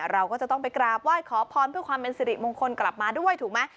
เราก็จะต้องไปกราบไหว้ขอพรเพื่อความเป็นสิริมงคลกลับมาด้วยถูกไหม